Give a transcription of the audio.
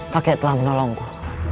kakek telah menolongku